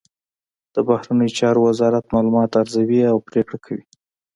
د بهرنیو چارو وزارت معلومات ارزوي او پریکړه کوي